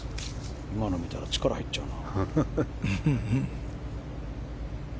今の見たら力入っちゃうな。